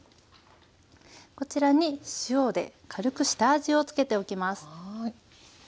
こちらに塩で軽く下味を付けておきます。